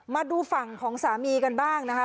มาดูฝั่งของสามีกันบ้างนะคะ